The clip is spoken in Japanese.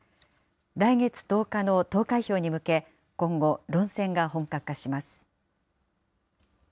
来月１０日の投開票に向け、今後、論戦が本格化します。